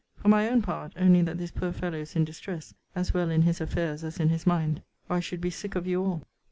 For my own part, only that this poor fellow is in distress, as well in his affairs as in his mind, or I should be sick of you all.